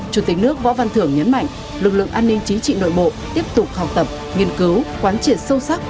chủ tịch nước võ văn thưởng nhấn mạnh lực lượng an ninh chính trị nội bộ tiếp tục học tập nghiên cứu quán triển sâu sắc